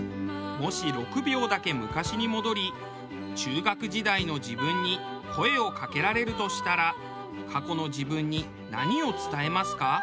もし６秒だけ昔に戻り中学時代の自分に声をかけられるとしたら過去の自分に何を伝えますか？